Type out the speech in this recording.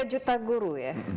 tiga juta guru ya